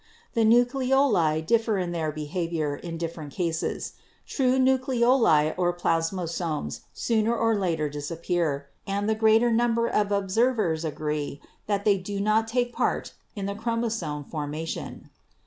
"The nucleoli differ in their behavior in different cases. True nucleoli or plasmosomes sooner or later disappear, and the greater number of observers agree that they do not take part in the chromosome formation.